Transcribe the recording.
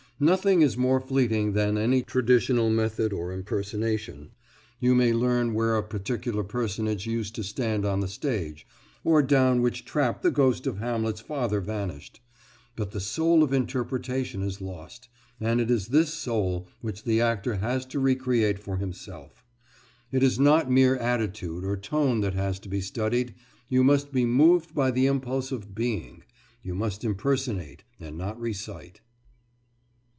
Nothing is more fleeting than any traditional method or impersonation. You may learn where a particular personage used to stand on the stage, or down which trap the ghost of Hamlet's father vanished; but the soul of interpretation is lost, and it is this soul which the actor has to re create for himself. It is not mere attitude or tone that has to be studied; you must be moved by the impulse of being; you must impersonate and not recite.